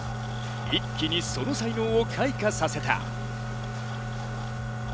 一気にその才能を開花させた。